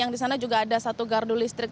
yang di sana juga ada satu gardu listrik